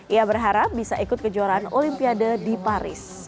ia berharap bisa ikut kejuaraan olimpiade di paris